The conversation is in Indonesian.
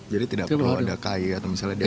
jadi tidak perlu ada ki atau misalnya